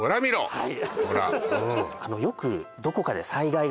はい！